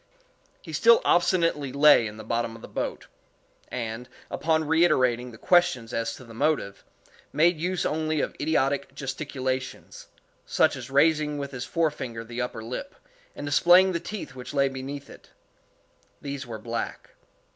He still obstinately lay in the bottom of the boat; and, upon reiterating the questions as to the motive, made use only of idiotic gesticulations, such as raising with his forefinger the upper lip, and displaying the teeth which lay beneath it. These were black.